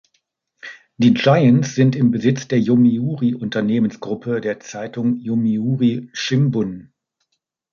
Die Giants sind im Besitz der Yomiuri-Unternehmensgruppe der Zeitung Yomiuri Shimbun.